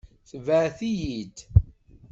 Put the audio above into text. Tebɛet-iyi-d.